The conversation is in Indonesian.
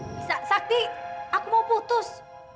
bisa sakti aku mau putus